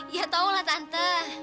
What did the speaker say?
ya tahu lah tante